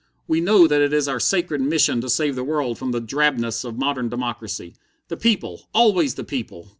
We know that it is our sacred mission to save the world from the drabness of modern democracy. The people always the people!